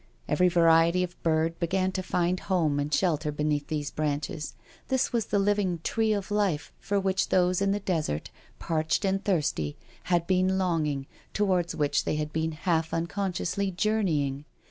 Every variety of bird began to find home and shelter beneath these branches — ^this was the living Tree of Life for which those in the desert, parched and thirsty, had been longing, towards which they had been half unconsciously journeying.